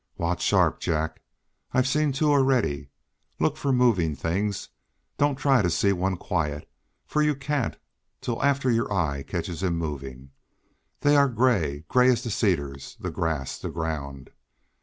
"Watch sharp, Jack. I've seen two already. Look for moving things. Don't try to see one quiet, for you can't till after your eye catches him moving. They are gray, gray as the cedars, the grass, the ground.